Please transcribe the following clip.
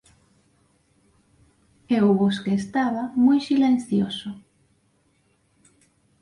E o bosque estaba moi silencioso…